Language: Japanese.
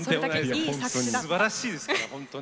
すばらしいです。